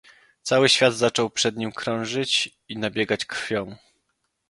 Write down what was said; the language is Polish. "Cały świat zaczął przed nim krążyć i nabiegać krwią..."